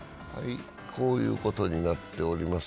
こういうことになっております。